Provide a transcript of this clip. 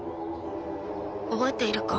覚えているか？